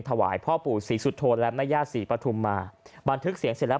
ถวายพ่อปู่ศรีสุโธนและแม่ย่าศรีปฐุมมาบันทึกเสียงเสร็จแล้ว